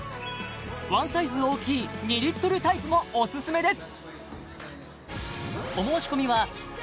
ワンサイズ大きい２リットルタイプもオススメです